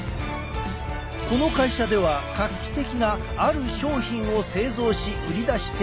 この会社では画期的なある商品を製造し売り出している。